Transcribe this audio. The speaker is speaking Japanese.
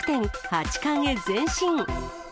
八冠へ前進。